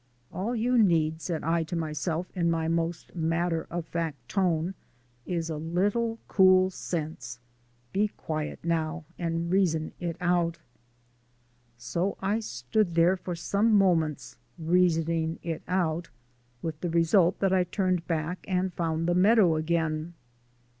"All you need," said I to myself in my most matter of fact tone, "is a little cool sense. Be quiet now and reason it out." So I stood there for some moments reasoning it out, with the result that I turned back and found the meadow again.